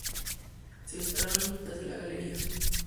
Se instalaron en un patio detrás de la galería.